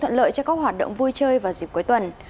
thuận lợi cho các hoạt động vui chơi vào dịp cuối tuần